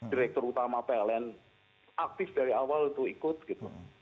direktur utama pln aktif dari awal itu ikut gitu